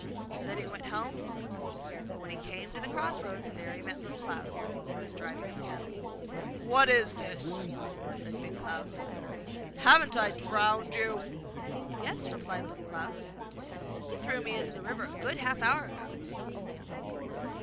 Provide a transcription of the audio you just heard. Then he went home; but when he came to the cross roads, there he met Little Klaus, who was driving his cattle. 'What's this?' said Big Klaus. 'Haven't I drowned you?' 'Yes,' replied Little Klaus; 'you threw me into the river a good half hour ago!